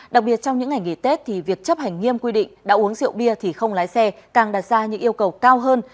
đặc biệt trong những ngày nghỉ tết thì việc chấp hành nghiêm quy định đã uống rượu bia thì không lái xe càng đặt ra những yêu cầu cao hơn